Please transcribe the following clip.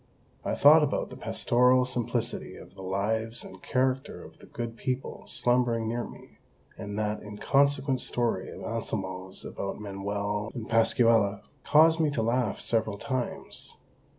I thought about the pastoral simplicity of the lives and character of the good people slumbering near me; and that inconsequent story of Anselmo's about Manuel and Pascuala caused me to laugh several times.